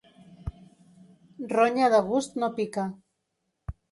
Ronya de gust no pica.